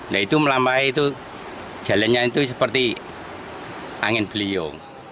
nah itu melampai itu jalannya itu seperti angin beliung